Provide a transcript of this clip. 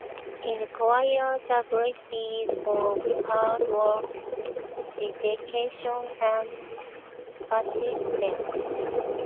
It requires a great deal of hard work, dedication, and persistence.